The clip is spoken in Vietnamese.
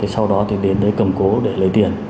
sau đó thì đến cầm cố để lấy tiền